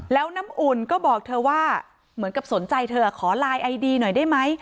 แล้วน้ำอุ่นก็บอกเธอว่าเหมือนกับสนใจเธอขอไลน์ไอดีหน่อยได้ไหม